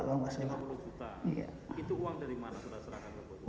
itu uang dari mana sudah serahkan ke bu suci